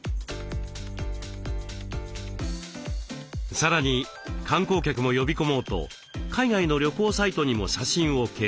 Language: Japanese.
さらに観光客も呼び込もうと海外の旅行サイトにも写真を掲載。